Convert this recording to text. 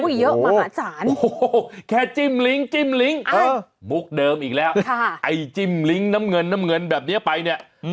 เยอะมหาศาลโอ้โหแค่จิ้มลิ้งจิ้มลิ้งมุกเดิมอีกแล้วไอ้จิ้มลิ้งน้ำเงินน้ำเงินแบบนี้ไปเนี่ย